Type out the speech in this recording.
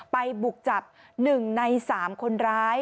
บุกจับ๑ใน๓คนร้าย